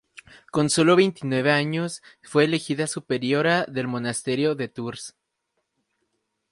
Con solo veintinueve años fue elegida superiora del monasterio de Tours.